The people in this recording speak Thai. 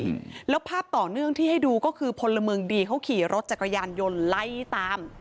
อืมแล้วภาพต่อเนื่องที่ให้ดูก็คือพลเมืองดีเขาขี่รถจักรยานยนต์ไล่ตาม